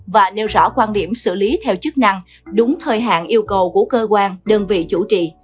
và nêu rõ quan điểm xử lý theo chức năng đúng thời hạn yêu cầu của cơ quan đơn vị chủ trì